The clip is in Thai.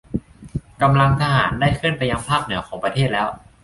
กำลังทหารได้เคลื่อนไปยังภาคเหนือของประเทศแล้ว